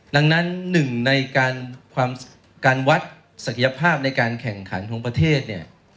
ดังนั้นหนึ่งในการวัดศักยภาพในการแข่งขันของประเทศเนี่ย